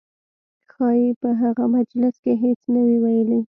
ښایي په هغه مجلس کې هېڅ نه وي ویلي.